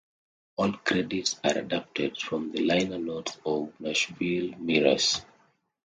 All credits are adapted from the liner notes of "Nashville Mirrors".